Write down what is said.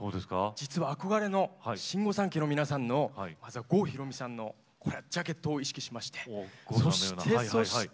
実は憧れの新御三家の皆さんのまずは郷ひろみさんのこれジャケットを意識しましてそしてそして！